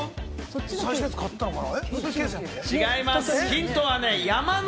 最新のやつ買ったのかな？